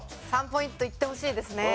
３ポイントいってほしいですね。